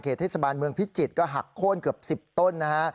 เทศบาลเมืองพิจิตรก็หักโค้นเกือบ๑๐ต้นนะฮะ